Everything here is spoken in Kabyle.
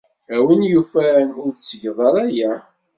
A win yufan, ur tettged ara aya.